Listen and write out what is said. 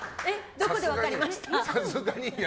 どこで分かりました？